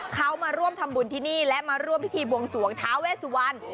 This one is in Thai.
เขามาร่วมทำบุญที่นี่และมาร่วมพิธีบวงสวงท้าเวสุวรรณ